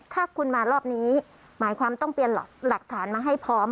ถ้าคุณมารอบนี้หมายความต้องเปลี่ยนหลักฐานมาให้พร้อม